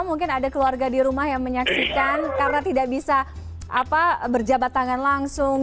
mungkin ada keluarga di rumah yang menyaksikan karena tidak bisa berjabat tangan langsung